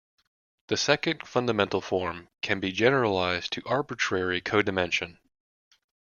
The second fundamental form can be generalized to arbitrary codimension.